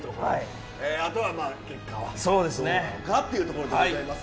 あとは結果を待つというところでございます。